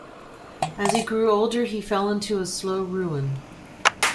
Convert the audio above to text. As he grew older he fell into a slow ruin.